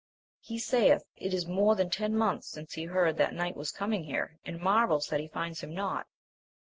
He saith it is more than ten months since he heard that knight was coming here, and marvels that he finds him not.